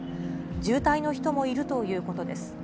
重体の人もいるということです。